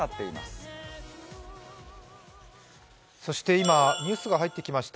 今、ニュースが入ってきました。